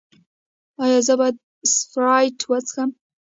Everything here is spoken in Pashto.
ایا زه باید سپرایټ وڅښم؟